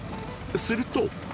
すると！